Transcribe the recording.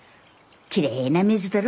きれいな水だろ？